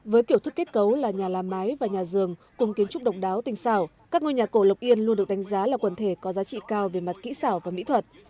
với kiểu thức kết cấu là nhà làm mái và nhà giường cùng kiến trúc độc đáo tinh xảo các ngôi nhà cổ lộc yên luôn được đánh giá là quần thể có giá trị cao về mặt kỹ xảo và mỹ thuật